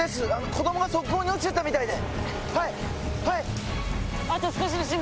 子供が側溝に落ちちゃったみたいで。